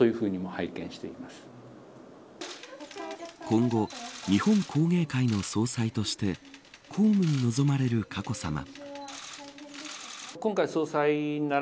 今後、日本工芸会の総裁として公務に臨まれる佳子さま。